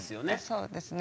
そうですね。